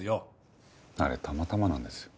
あれたまたまなんです。